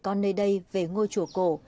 người dân nơi đây về ngôi chùa cổ